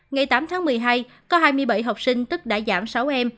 ngày tám tháng một mươi hai có hai mươi bảy học sinh tức đã giảm sáu em